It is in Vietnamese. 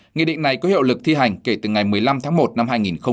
nghị định này có hiệu lực thi hành kể từ ngày một mươi năm tháng một năm hai nghìn hai mươi